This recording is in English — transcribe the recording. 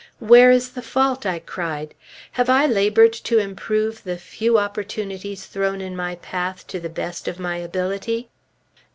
Where is the fault, I cried. Have I labored to improve the few opportunities thrown in my path, to the best of my ability?